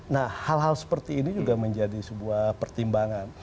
nah hal hal seperti ini juga menjadi sebuah pertimbangan